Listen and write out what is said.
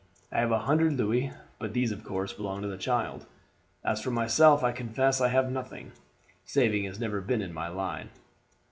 I have a hundred louis, but these, of course, belong to the child. As for myself, I confess I have nothing; saving has never been in my line."